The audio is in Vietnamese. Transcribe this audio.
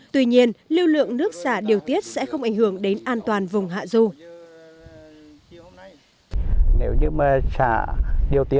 tuy nhiên lưu lượng nước xả điều tiết sẽ không ảnh hưởng đến an toàn vùng hạ du